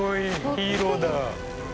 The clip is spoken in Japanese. ヒーローだ。